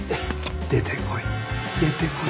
出てこい出てこい。